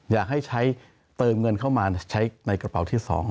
อยากให้ใช้เติมเงินเข้ามาใช้ในกระเป๋าที่๒